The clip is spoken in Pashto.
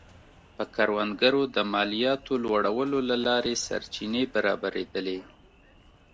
پر کروندګرو د مالیاتو لوړولو له لارې سرچینې برابرېدلې